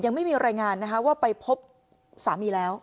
ยังไม่มีรายงานนะคะว่าไปพบสามีแล้ว